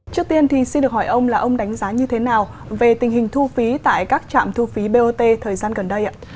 trước tiên thì xin được hỏi ông là ông đánh giá như thế nào về tình hình thu phí tại các trạm thu phí bot thời gian gần đây ạ